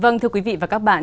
vâng thưa quý vị và các bạn